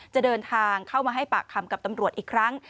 จะเดินทางเข้ามาให้ปากคำกับตำรวจอีกครั้ง